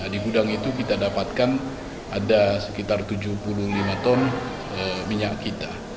di gudang itu kita dapatkan ada sekitar tujuh puluh lima ton minyak kita